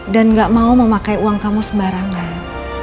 dan gak mau memakai uang kamu sebarangan